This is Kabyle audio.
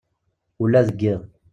Ula deg yiḍ.